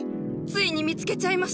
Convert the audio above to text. ついに見つけちゃいました。